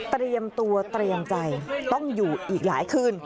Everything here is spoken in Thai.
เตรียมตัวเตรียมใจต้องอยู่อีกหลายคืน